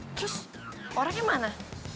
terus orangnya mana